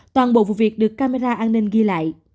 toàn bộ vụ việc được camera an ninh ghi lại